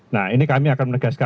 nah ini kami akan menegaskan